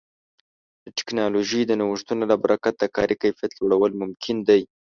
د ټکنالوژۍ د نوښتونو له برکت د کاري کیفیت لوړول ممکن دي.